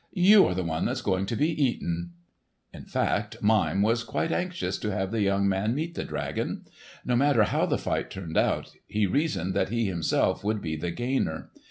You are the one that's going to be eaten!" In fact Mime was quite anxious to have the young man meet the dragon. No matter how the fight turned out, he reasoned that he himself would be the gainer.